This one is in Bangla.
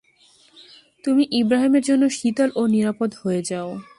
তুমি ইবরাহীমের জন্যে শীতল ও নিরাপদ হয়ে যাও।